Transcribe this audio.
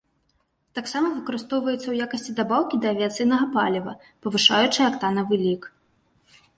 Таксама выкарыстоўваецца ў якасці дабаўкі да авіяцыйнага паліва, павышаючай актанавы лік.